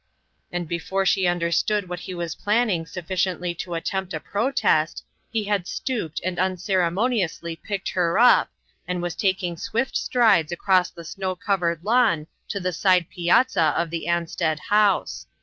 And before she understood what he was planning sufficiently to attempt a protest, he had stooped and un ceremoniously picked her up, and was tak ing swift strides across the snow covered lawn to the side piazza of the Ansted house.